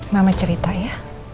mama cerita ya